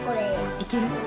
いける？